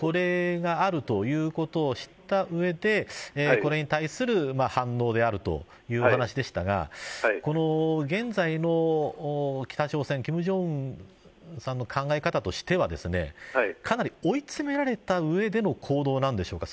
これがあるということを知った上でこれに対する反応であるというお話でしたがこの現在の北朝鮮金正恩さんの考え方としてはかなり追い詰められた上での行動なんでしょうか。